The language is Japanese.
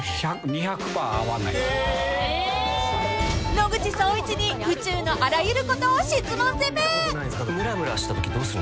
［野口聡一に宇宙のあらゆることを質問攻め］